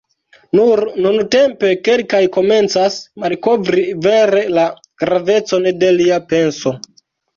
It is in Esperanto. Nur nuntempe kelkaj komencas malkovri vere la gravecon de lia penso.